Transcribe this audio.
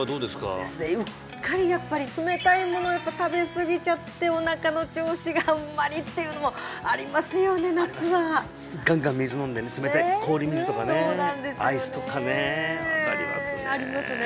そうですねうっかりやっぱり冷たいもの食べすぎちゃっておなかの調子があんまりっていうのもありますよね夏はガンガン水飲んでね冷たい分かりますねありますね